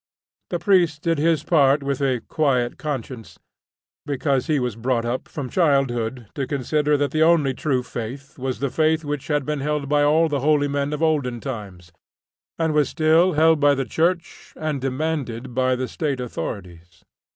The priest did his part with a quiet conscience, because he was brought up from childhood to consider that the only true faith was the faith which had been held by all the holy men of olden times and was still held by the Church, and demanded by the State authorities.